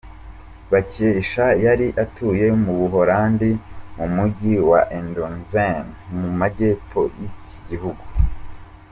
Bakesha yari atuye mu Buholandi mu Mujyi wa Eindhoven mu Majyepfo y’iki gihugu.